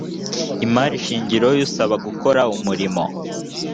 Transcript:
imari shingiro y usaba gukora umurimo